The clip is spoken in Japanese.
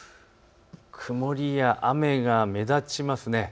曇りや雨が目立ちますね。